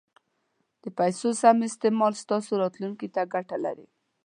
د پیسو سم استعمال ستاسو راتلونکي ته ګټه لري.